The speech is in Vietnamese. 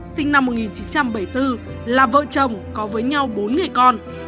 sinh năm một nghìn chín trăm bảy mươi bốn là vợ chồng có với nhau bốn người con